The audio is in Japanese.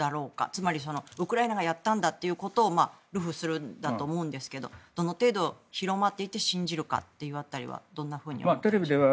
つまり、ウクライナがやったんだということを流布するんだと思うんですけどどの程度、広まっていって信じるかという辺りはどんなふうにお考えでしょうか。